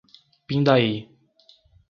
Pindaí